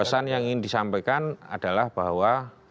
pesan yang ingin disampaikan adalah bahwa